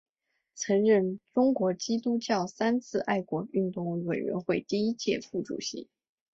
曾任中国基督教三自爱国运动委员会第一届副主席。